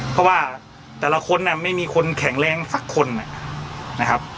เพราะว่าแต่ละคนไม่มีคนแข็งแรงสักคนนะครับ